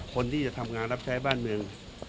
คนที่จะทำงานรับใช้บ้านเมือง